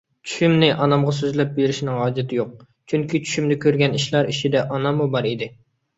چۈشۈمنى ئانامغا سۆزلەپ بېرىشنىڭ ھاجىتى يوق، چۈنكى چۈشۈمدە كۆرگەن ئىشلار ئىچىدە ئاناممۇ بار ئىدى.